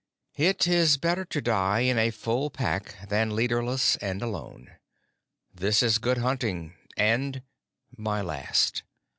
"It is better to die in a Full Pack than leaderless and alone. This is good hunting, and my last.